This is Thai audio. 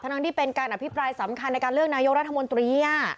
ทั้งที่เป็นการอภิปรายสำคัญในการเลือกนายกรัฐมนตรี